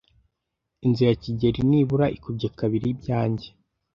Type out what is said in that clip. Inzu ya kigeli nibura ikubye kabiri ibyanjye.